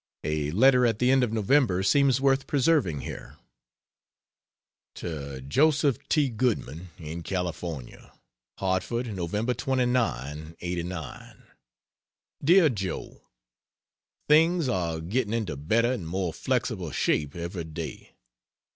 A letter at the end of November seems worth preserving here. To Joseph T. Goodman, in California: HARTFORD, Nov. 29, '89. DEAR JOE, Things are getting into better and more flexible shape every day.